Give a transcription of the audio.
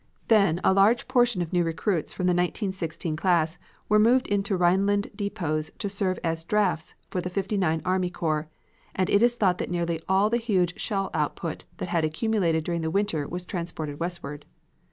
Then a large proportion of new recruits of the 1916 class were moved into Rhine land depots to serve as drafts for the fifty nine army corps, and it is thought that nearly all the huge shell output that had accumulated during the winter was transported westward.